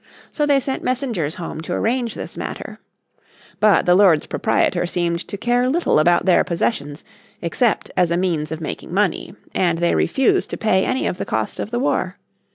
So they sent messengers home to arrange this matter. But the Lords Proprietor seemed to care little about their possessions except as a means of making money. And they refused to pay any of the cost of the war.